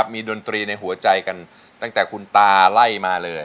มีดนตรีในหัวใจกันตั้งแต่คุณตาไล่มาเลย